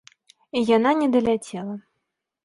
І яна не даляцела.